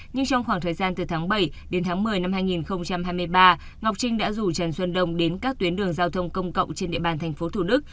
nhưng trong khoảng thời gian từ tháng bảy đến tháng một mươi năm hai nghìn hai mươi ba ngọc trinh đã rủ trần xuân đông đến các tuyến đường giao thông công cộng trên địa bàn tp thủ đức